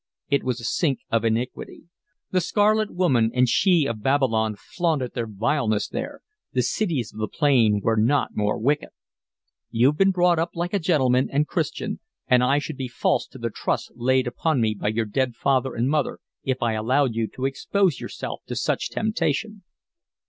It was a sink of iniquity. The scarlet woman and she of Babylon flaunted their vileness there; the cities of the plain were not more wicked. "You've been brought up like a gentleman and Christian, and I should be false to the trust laid upon me by your dead father and mother if I allowed you to expose yourself to such temptation."